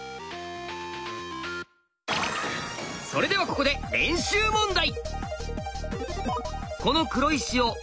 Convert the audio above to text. それではここで練習問題。